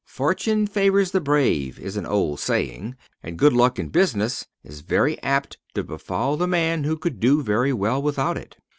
"Fortune favors the brave," is an old saying, and good luck in business is very apt to befall the man who could do very well without it.